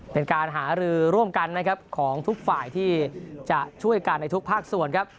เป็นการหารือร่วมกันนะครับของทุกฝ่ายที่จะช่วยกันในทุกภาคส่วนครับ